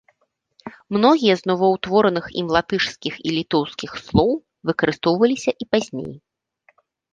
Многія з новаўтвораных ім латышскіх і літоўскіх слоў выкарыстоўваліся і пазней.